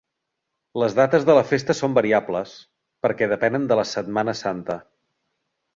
Les dates de la festa són variables, perquè depenen de la Setmana Santa.